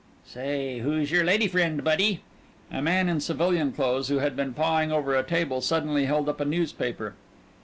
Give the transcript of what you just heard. "Say, who's your lady friend, buddy?" A man in civilian clothes, who had been pawing over a table, suddenly held up a newspaper.